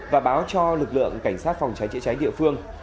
và báo cho lực lượng cảnh sát phòng cháy chữa cháy địa phương